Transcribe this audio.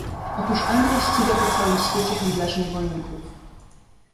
Otóż Anglia ściga po cały świecie handlarzy niewolników.